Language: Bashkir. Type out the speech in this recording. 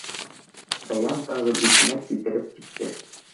Даян тағы битемә килтереп типте.